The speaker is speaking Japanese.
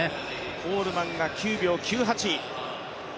コールマンが９秒９８。